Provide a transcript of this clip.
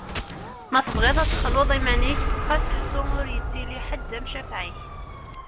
Ma tebɣiḍ ad texluḍ iman-ik, xas ḥṣu ur yettili ḥed d amcafeɛ-ik.